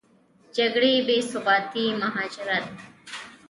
جګړې، بېثباتي، مهاجرت